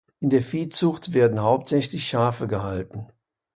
In der Viehzucht werden hauptsächlich Schafe gehalten.